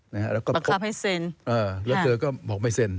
ประคับให้เซ็นใช่ไหมครับอือแล้วเธอก็บอกให้เซ็น